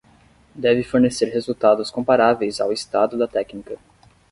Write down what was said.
Deve fornecer resultados comparáveis ao estado da técnica.